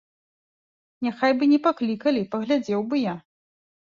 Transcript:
Няхай бы не паклікалі, паглядзеў бы я!